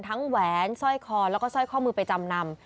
แหวนสร้อยคอแล้วก็สร้อยข้อมือไปจำนำ